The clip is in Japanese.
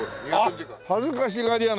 あっ恥ずかしがり屋の。